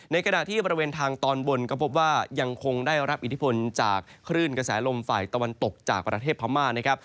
ในกระดาษที่บริเวณทางตอนบนก็บอกว่ายังคงได้รับอิทธิพลจากครื่นกระแสลมฝ่าตะวันตกจากประเทศพามา